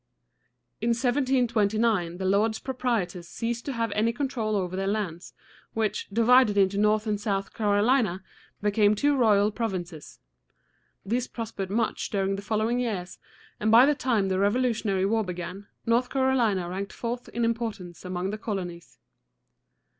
In 1729 the lords proprietors ceased to have any control over their lands, which, divided into North and South Carolina, became two royal provinces. These prospered much during the following years, and by the time the Revolutionary War began, North Carolina ranked fourth in importance among the colonies.